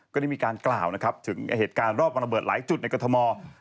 ก็ได้มีการกล่าวนะครับถึงเหตุการณ์รอบวันระเบิดหลายจุดในกรทม